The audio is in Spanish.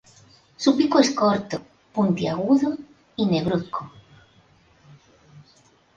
Su pico es corto, puntiagudo y negruzco.